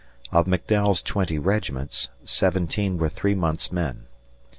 Of McDowell's twenty regiments, seventeen were three months' men.